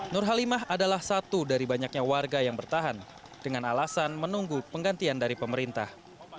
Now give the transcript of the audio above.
nur halimah adalah satu dari banyaknya warga yang bertahan dengan alasan menunggu penggantian dari pemerintah